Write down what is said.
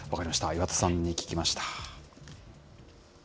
岩田さんに聞きました。